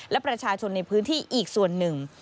และประชาชนในพื้นที่อีกส่วนหนึ่ง